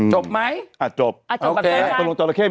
จบมั้ยจบครับงานกันมั้ย